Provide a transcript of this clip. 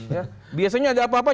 ya biasanya agak apa apa